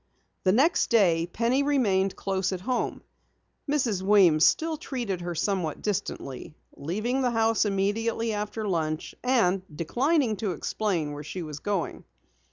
The next day Penny remained close at home. Mrs. Weems still treated her somewhat distantly, leaving the house immediately after lunch and declining to explain where she was going.